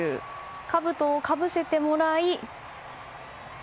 かぶとをかぶせてもらい。